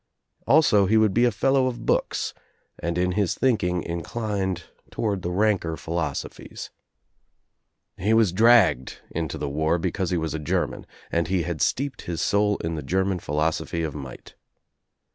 Also he would be a fellow of books and in his diinking inclined toward the ranker philosophies. He was dragged into the war because he was a German, and he had steeped his soul in the German philosophy of might.